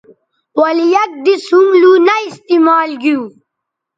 ولے یک دِس ھم لوں نہ استعمال گیو